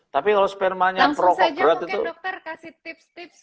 langsung saja mungkin dokter kasih tips tips